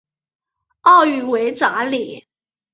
粤语为炸厘。